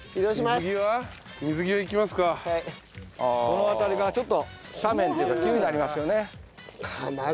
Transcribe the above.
この辺りはちょっと斜面というか急になりますよね。